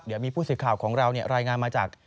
เดี๋ยวมีผู้สื่อข่าวของเรารายงานมาจาก